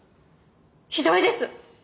ひどいです！